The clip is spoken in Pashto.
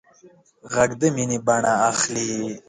غږ د مینې بڼه اخلي